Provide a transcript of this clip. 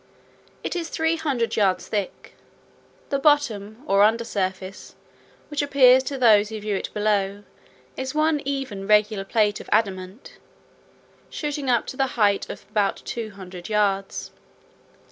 It is three hundred yards thick. The bottom, or under surface, which appears to those who view it below, is one even regular plate of adamant, shooting up to the height of about two hundred yards.